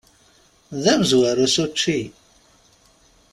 D amezwaru s učči!